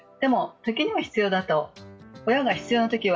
時には必要だと、親の必要なときは